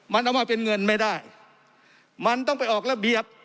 มันเอามาเป็นเงินไม่ได้มันต้องไปออกระเบียบ